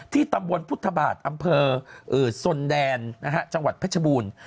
ที่ตำบวนพุทธบาทอำเภอสนแดนจังหวัดพระชบูล